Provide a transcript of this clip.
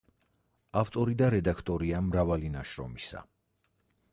ავტორი და რედაქტორია მრავალი ნაშრომისა.